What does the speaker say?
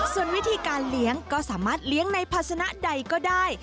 ส่วนวิธีการเลี้ยงก็สามารถเลี้ยงในภาษณะใดก็ได้